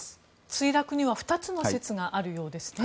墜落には２つの説があるようですね。